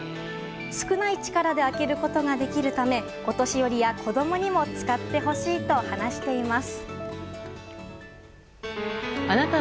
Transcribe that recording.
少ない力で開けることができるためお年寄りや子供にも使ってほしいと話しています。